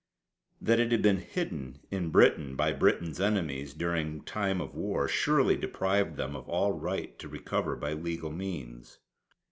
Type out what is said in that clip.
That it had been hidden in Britain by Britain's enemies during time of war surely deprived them of all right to recover by legal means.